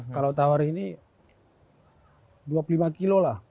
kalau tawar ini dua puluh lima kilo lah